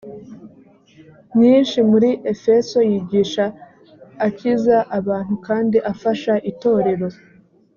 myinshi muri efeso yigisha akiza abantu kandi afasha itorero